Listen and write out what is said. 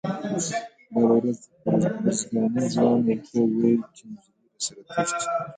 بله ورځ ارزګاني ځوان ورته وویل چې نجلۍ راسره تښتي.